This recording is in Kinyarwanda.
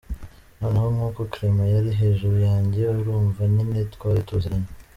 Noneho kuko Clement yari hejuru yanjye urumva nyine twari tuziranye.